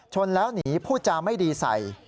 ชนแล้วหนีผู้จามไม่ดีใส